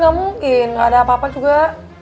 gak mungkin gak ada apa apa juga